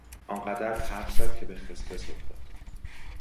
آن قدر حرف زد که به خسخس افتاد.